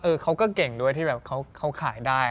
เออเขาก็เก่งด้วยที่เขาขายได้